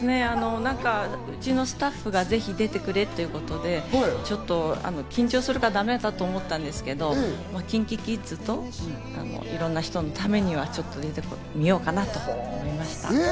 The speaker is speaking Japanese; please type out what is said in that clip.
うちのスタッフがぜひ出てくれということで、ちょっと緊張するからダメだと思ったんですけど、ＫｉｎＫｉＫｉｄｓといろんな人のために、ちょっと出てみようかなと思いました。